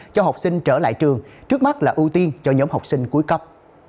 cho học sinh trở lại trường trước mắt là ưu tiên cho nhóm học sinh cuối cấp